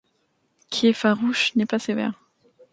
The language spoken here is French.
Qui est farouche n’est pas sévère.